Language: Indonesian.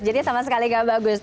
jadinya sama sekali tidak bagus